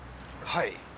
はい。